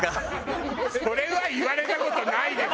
それは言われた事ないです！